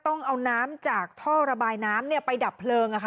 ต้องเอาน้ำจากท่อระบายน้ำไปดับเพลิง